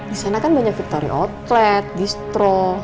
disana kan banyak victoria outlet distro